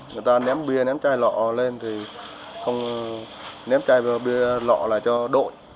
người ta ném bia ném chai lọ lên thì không ném chai bia lọ lại cho đội